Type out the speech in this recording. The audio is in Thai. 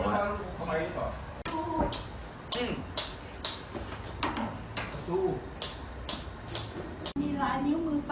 สวัสดีทุกคน